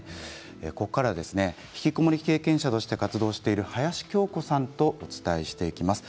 ここからはひきこもり経験者として活動している林恭子さんとお伝えしていきます。